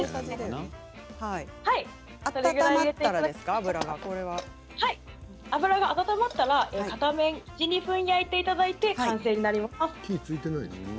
油が温まったら片面１、２分、焼いて完成になります。